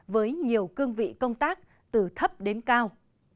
với nhiều cương vị công tác từ thấp đến cao